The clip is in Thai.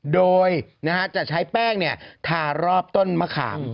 โดยจะใช้แป้งทารอบต้นมะขาม